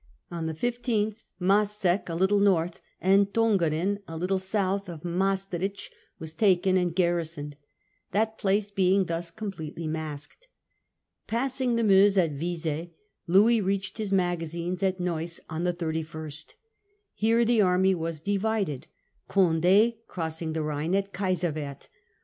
On the 15th Maseyck, a little north, and Tongres, a little south, of Maestricht, were taken and garrisoned, that place being thus completely masked. Passing the Meuse at Vise, Louis reached his magazines at Neuss on the 31st. Here the army was divided, Condd crossing the Rhine at Kaiserwerth.